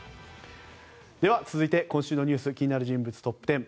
では続いて、今週のニュース気になる人物トップ１０。